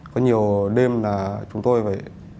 có nhiều đêm là chúng tôi phải